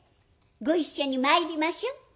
ご一緒に参りましょう」。